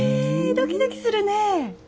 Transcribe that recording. ドキドキするね！